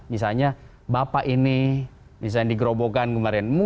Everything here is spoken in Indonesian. misalnya bapak ini misalnya digerobokan kemarin